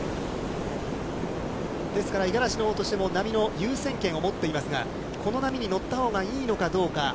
ですから五十嵐のほうとしても波の優先権を持っていますが、この波に乗ったほうがいいのかどうか。